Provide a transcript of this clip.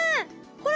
「ほら」。